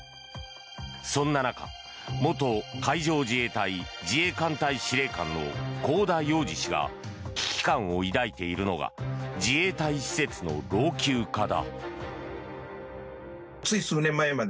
そんな中、元海上自衛隊自衛艦隊司令官の香田洋二氏が危機感を抱いているのが自衛隊施設の老朽化だ。